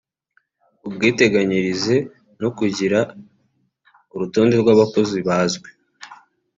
ubwiteganyirize no kugira urutonde rw’abakozi bazwi